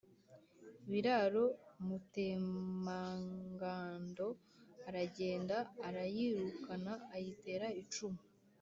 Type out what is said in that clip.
Biraro Mutemangando aragenda arayirukana, ayitera icumu